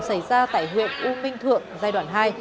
xảy ra tại huyện u minh thượng giai đoạn hai